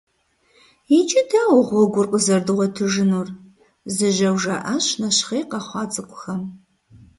«Иджы дауэ гъуэгур къызэрыдгъуэтыжынур?» - зыжьэу жаӀащ нэщхъей къэхъуа цӀыкӀухэм.